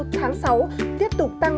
tháng sáu tiếp tục tăng ba mươi